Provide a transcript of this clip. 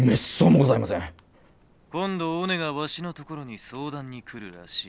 「今度おねがわしのところに相談に来るらしい」。